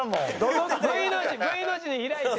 Ｖの字Ｖの字に開いて。